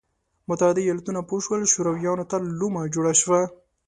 متحده ایالتونه پوه شول شورویانو ته لومه جوړه شوه.